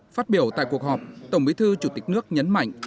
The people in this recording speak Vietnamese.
phát biểu tại cuộc họp tổng bí thư chủ tịch nước nhấn mạnh